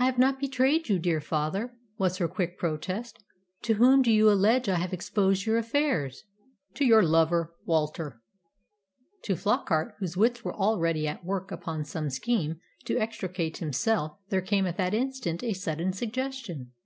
"I have not betrayed you, dear father," was her quick protest. "To whom do you allege I have exposed your affairs?" "To your lover, Walter." To Flockart, whose wits were already at work upon some scheme to extricate himself, there came at that instant a sudden suggestion.